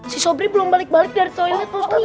si sabri belum balik balik dari toilet pak ustadz